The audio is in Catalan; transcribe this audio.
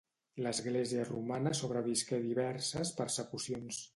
L'església romana sobrevisqué a diverses persecucions.